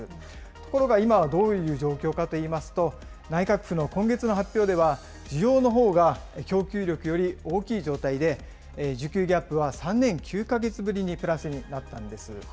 ところが今はどういう状況かといいますと、内閣府の今月の発表では、需要のほうが供給力より大きい状態で、需給ギャップは３年９か月ぶりにプラスになったんです。